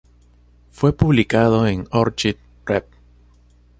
Fue publicado en "Orchid Rev.".